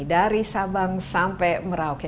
dari sabang sampai merauke